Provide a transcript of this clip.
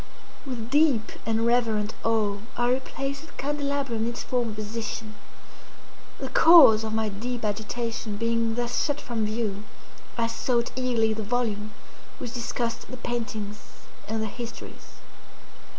With deep and reverent awe I replaced the candelabrum in its former position. The cause of my deep agitation being thus shut from view, I sought eagerly the volume which discussed the paintings and their histories.